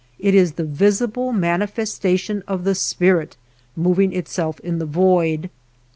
It is Jhe visible manifestation of the Spirit mov ing itself in the void.